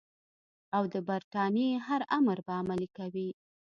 او د برټانیې هر امر به عملي کوي.